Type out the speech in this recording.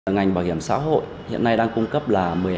ngành bảo hiểm xã hội hiện nay đang cung cấp là